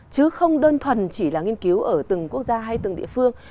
chứ không đơn thuần chỉ là nghiên cứu ở từng quốc gia hay từng địa phương